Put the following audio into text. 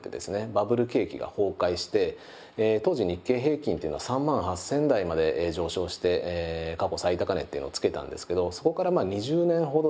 バブル景気が崩壊して当時日経平均というのは３万８，０００円台まで上昇して過去最高値っていうのをつけたんですけどそこからまあ２０年ほどですね